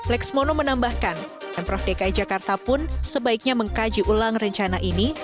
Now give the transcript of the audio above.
lexmono menambahkan pemprov dki jakarta pun sebaiknya mengkaji ulang rencana ini